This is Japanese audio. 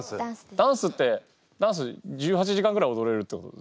ダンスってダンス１８時間ぐらいおどれるってこと？